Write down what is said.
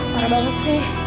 parah banget sih